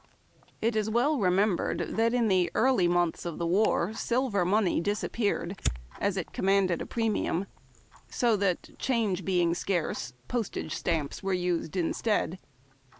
It is well remembered that in the early months of the war silver money disappeai ed, as it commanded a premium, so that, change being scarce, postage stamps were used instead.